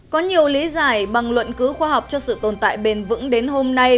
có nhiều lý giải bằng luận cứu khoa học cho sự tồn tại bền vững đến hôm nay